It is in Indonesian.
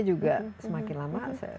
juga semakin lama